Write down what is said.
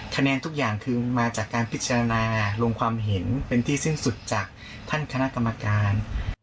คะแนนทุกอย่างคือมาจากการพิจารณาลงความเห็นเป็นที่สิ้นสุดจากท่านคณะกรรมการ